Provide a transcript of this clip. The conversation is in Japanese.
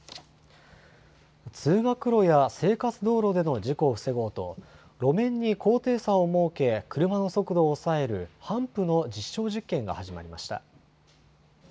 通学路や生活道路での事故を防ごうと、路面に高低差を設け、車の速度を抑えるハンプの実証実験が始まりました。